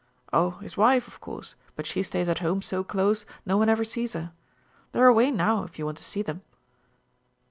Oh, his wife, of course, but she stays at home so close no one ever sees her. They're away now, if you want to see them."